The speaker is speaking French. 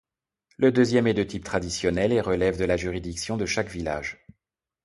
Le deuxième est de type traditionnel et relève de la juridiction de chaque village.